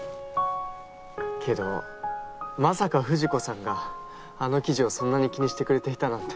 けどまさか藤子さんがあの記事をそんなに気にしてくれていたなんて。